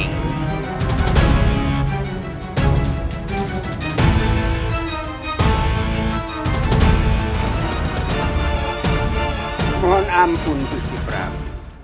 mohon ampun gusti prabu